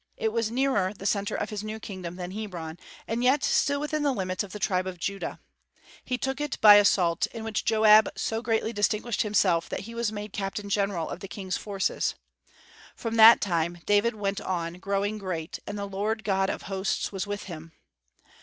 It was nearer the centre of his new kingdom than Hebron, and yet still within the limits of the tribe of Judah, He took it by assault, in which Joab so greatly distinguished himself that he was made captain general of the King's forces. From that time "David went on growing great, and the Lord God of Hosts was with him."